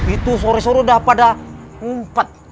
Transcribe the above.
itu sore sore udah pada ngumpet